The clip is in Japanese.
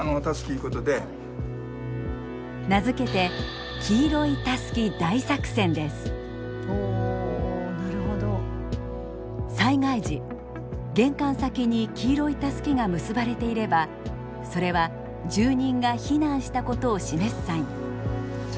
名付けて災害時玄関先に黄色いタスキが結ばれていればそれは住人が避難したことを示すサイン。